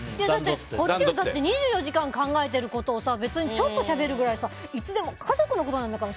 こっちは２４時間考えていることを別にちょっとしゃべるくらい家族のことなんだから